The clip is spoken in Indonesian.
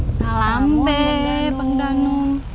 salam beng danu